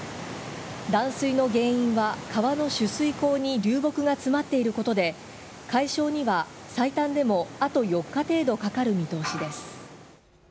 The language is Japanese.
断水の原因は川の取水口に流木が詰まっていることで、解消には最短でもあと４日程度かかる見通しです。